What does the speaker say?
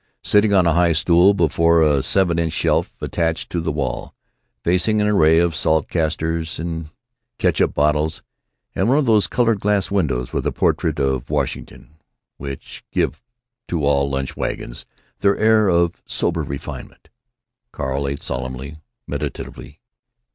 Sitting on a high stool before a seven inch shelf attached to the wall, facing an array of salt castors and catsup bottles and one of those colored glass windows with a portrait of Washington which give to all lunch wagons their air of sober refinement, Carl ate solemnly, meditatively....